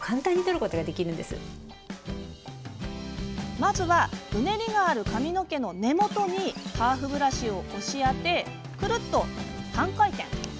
まず、うねりがある髪の毛の根元に、ハーフブラシを押し当て、くるっと半回転。